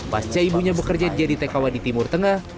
pasca ibunya bekerja di jaditekawa di timur tengah